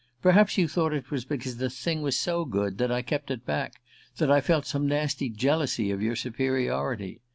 Perhaps you thought it was because the thing was so good that I kept it back, that I felt some nasty jealousy of your superiority.